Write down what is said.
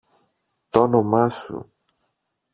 Τ' όνομα σου!